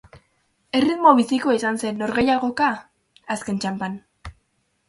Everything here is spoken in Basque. Erritmo bizikoa izan zen norgehiagoka azken txanpan.